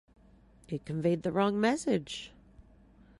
It conveyed the wrong message.